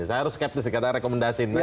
saya harus skeptis kata rekomendasi ini